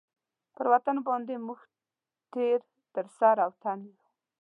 پر وطن باندي موږ تېر تر سر او تن یو.